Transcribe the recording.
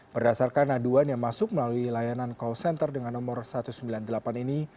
berdasarkan aduan yang masuk melalui layanan call center dengan nomor satu ratus sembilan puluh delapan ini